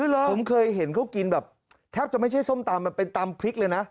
ผมเคยเห็นเขากินแบบแทบจะไม่ใช่ส้มตำมันเป็นตำพริกเลยนะ